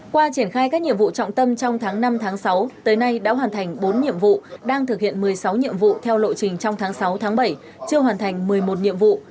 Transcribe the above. qua triển khai các nhiệm vụ trọng tâm trong tháng năm tháng sáu tới nay đã hoàn thành bốn nhiệm vụ đang thực hiện một mươi sáu nhiệm vụ theo lộ trình trong tháng sáu bảy chưa hoàn thành một mươi một nhiệm vụ